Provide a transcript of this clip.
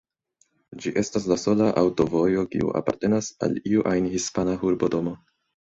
Ĝi estas la sola aŭtovojo kiu apartenas al iu ajn hispana urbodomo.